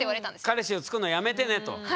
彼氏をつくるのやめてねと。